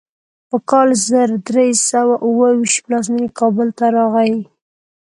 په کال زر درې سوه اوو ویشت پلازمینې کابل ته راغی.